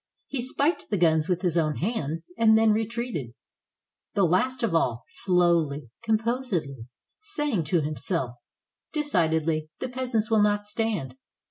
He spiked the guns with his own hands and then retreated, — the last of all, slowly, composedly, saying to himself, "Decidedly, the peasants will not stand.